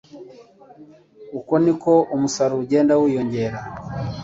Uko niko umusaruro ugenda wiyongera.